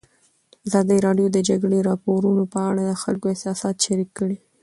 ازادي راډیو د د جګړې راپورونه په اړه د خلکو احساسات شریک کړي.